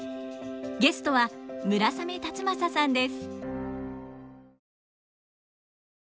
ゲストは村雨辰剛さんです。